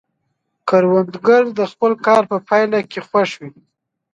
کروندګر د خپل کار په پایله کې خوښ دی